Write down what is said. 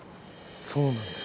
そうなんです。